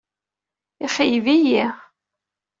Ixeyyeb-iyi.